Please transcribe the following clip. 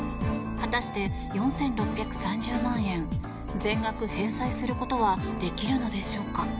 果たして、４６３０万円全額返済することはできるのでしょうか。